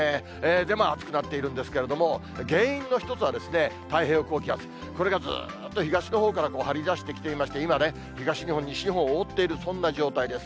で、まあ、暑くなっているんですけれども、原因の一つは、太平洋高気圧、これがずっと東のほうから張り出してきていまして、今ね、東日本、西日本を覆っている、そんな状態です。